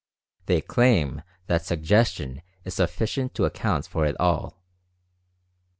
They claim that "Suggestion" is sufficient to account for it all.